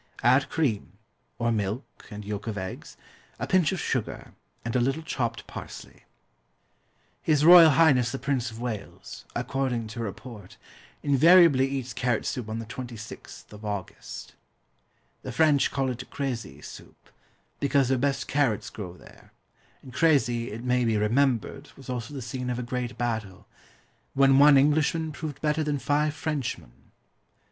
Add cream (or milk and yolk of eggs), a pinch of sugar, and a little chopped parsley. H.R.H. the Prince of Wales, according to report, invariably eats carrot soup on the 26th of August. The French call it "CRÉCY" soup, because their best carrots grow there; and Crécy it may be remembered was also the scene of a great battle, when one Englishman proved better than five Frenchmen.